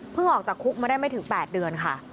ออกจากคุกมาได้ไม่ถึง๘เดือนค่ะ